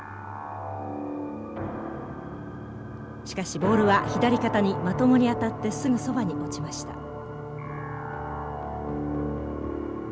しかしボールは左肩にまともに当たってすぐそばに落ちました。